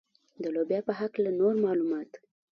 د لوبیا په هکله نور معلومات.